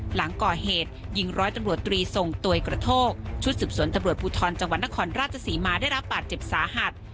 หลังก่อเหตุยิงร้อยตำรวจตรีทรงตัวยกระโทกชุดสืบสวนตำรวจภูทรจังหวัดนครราชศรีมาได้รับบาดเจ็บสาหัส